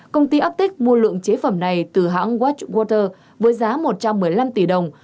công ty arctic mua lượng chế phẩm này từ hãng watchwater với giá một trăm một mươi năm tỷ đồng